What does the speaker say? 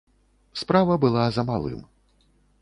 Справа была за малым.